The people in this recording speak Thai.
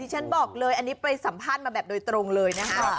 ฉันบอกเลยอันนี้ไปสัมภาษณ์มาแบบโดยตรงเลยนะคะ